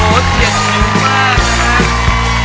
เย็นจริงมากนะครับ